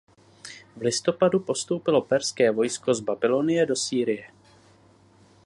V listopadu postoupilo perské vojsko z Babylonie do Sýrie.